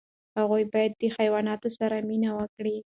هغوی باید د حیواناتو سره مینه وکړي.